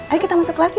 ayo kita masuk kelas ya